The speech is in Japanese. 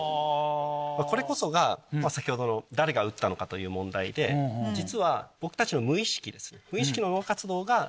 これこそが先ほどの誰が打ったのかという問題で実は僕たちの無意識ですね。